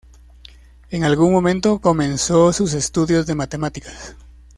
En algún momento comenzó sus estudios de matemáticas.